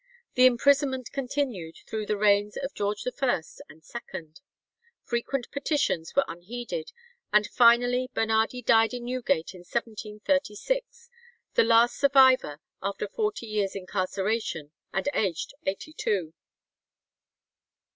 The imprisonment continued through the reigns of George I and II. Frequent petitions were unheeded, and finally Bernardi died in Newgate in 1736, the last survivor, after forty years' incarceration, and aged eighty two.